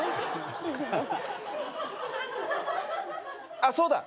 あっそうだ。